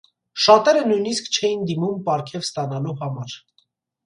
Շատերը նույնիսկ չէին դիմում պարգև ստանալու համար։